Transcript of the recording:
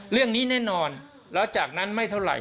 เรื่องนี้แน่นอนแล้วจากนั้นไม่เท่าไหร่